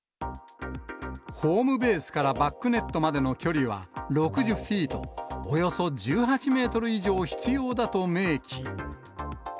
ホームベースからバックネットまでの距離は６０フィート、およそ１８メートル以上必要だと明記。